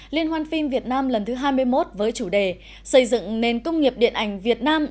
liên hoan phim việt nam lần thứ hai mươi một với chủ đề xây dựng nền công nghiệp điện ảnh việt nam